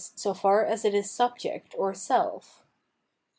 so far as it is subject or self.